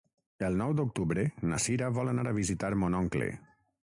El nou d'octubre na Cira vol anar a visitar mon oncle.